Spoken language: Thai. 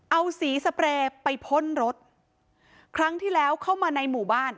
เอาสีสเปรย์ไปพ่นรถครั้งที่แล้วเข้ามาในหมู่บ้าน